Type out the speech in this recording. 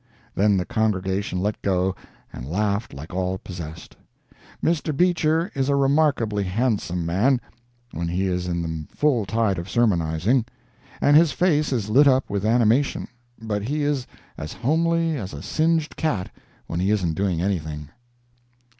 Then the congregation let go and laughed like all possessed. Mr. Beecher is a remarkably handsome man when he is in the full tide of sermonizing, and his face is lit up with animation, but he is as homely as a singed cat when he isn't doing anything.